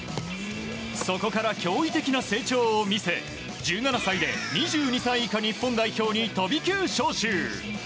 そこから驚異的な成長を見せ１７歳で２２歳以下日本代表に飛び級招集。